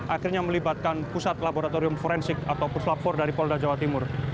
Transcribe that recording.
akhirnya melibatkan pusat laboratorium forensik atau puslap empat dari polda jawa timur